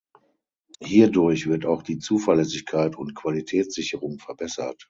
Hierdurch wird auch die Zuverlässigkeit und Qualitätssicherung verbessert.